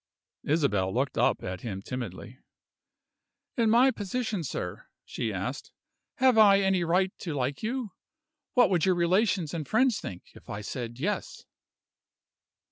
Isabel looked up at him timidly. "In my position, sir," she asked, "have I any right to like you? What would your relations and friends think, if I said Yes?"